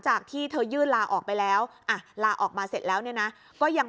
ที่เธอยื่นลาออกไปแล้วอ่ะลาออกมาเสร็จแล้วเนี่ยนะก็ยัง